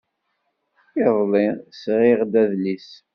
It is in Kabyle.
Iḍelli, sɣiɣ-d adlis.